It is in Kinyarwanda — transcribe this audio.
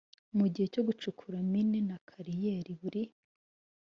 mu gihe cyo gucukura mine na kariyeri buri